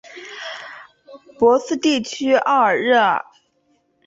博斯地区奥尔热尔。